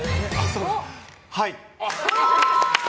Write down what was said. はい！